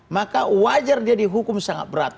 maka wajar dia dihukum sangat berat